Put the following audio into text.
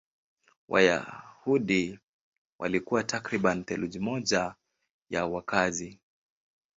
Wayahudi walikuwa takriban theluthi moja ya wakazi.